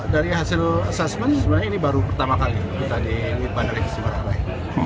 dari hasil assessment sebenarnya ini baru pertama kali kita di bandara igusti ngurah rai